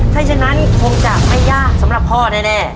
ถ้าฉะนั้นคงจะไม่ยากสำหรับพ่อแน่